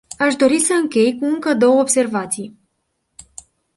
Aș dori să închei cu încă două observații.